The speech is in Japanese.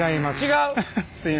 違う？